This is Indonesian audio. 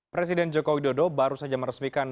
presiden joko widodo baru saja meresmikan